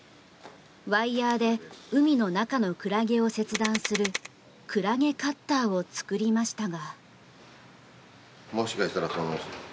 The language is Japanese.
ワイヤで海の中のクラゲを切断するクラゲカッターを作りましたが。